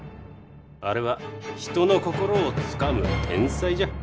あれは人の心をつかむ天才じゃ。